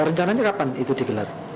rencananya kapan itu digelar